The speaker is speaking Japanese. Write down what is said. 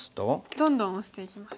どんどんオシていきます。